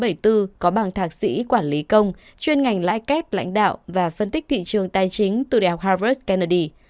ông lê hải trà là bác sĩ quản lý công chuyên ngành lãi kép lãnh đạo và phân tích thị trường tài chính từ đại học harvard kennedy